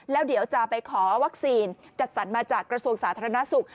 แล้วเดี๋ยวจะไปขอวัคซีนจัดสรรมาจากกระทรวงสาธารณสุข